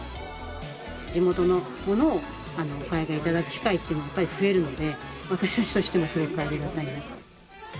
地元のものをお買い上げいただく機会っていうのが、やっぱり増えるので、私たちとしてはすごくありがたいなと。